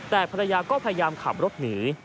แต่ภรรยาก็พยายามขับรถหนี